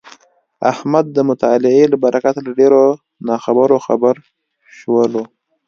احمد د مطالعې له برکته له ډېرو ناخبرو خبر شولو.